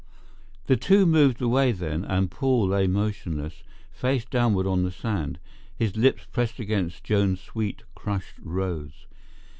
The two moved away then, and Paul lay motionless, face downward on the sand, his lips pressed against Joan's sweet, crushed rose.